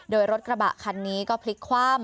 โดยรถกระบะคันนี้ก็พลิกคว่ำ